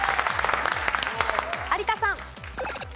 有田さん。